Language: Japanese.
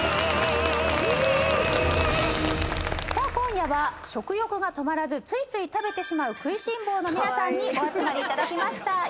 さあ今夜は食欲が止まらずついつい食べてしまう食いしん坊の皆さんにお集まりいただきました。